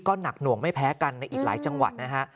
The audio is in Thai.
หนักหน่วงไม่แพ้กันในอีกหลายจังหวัดนะฮะ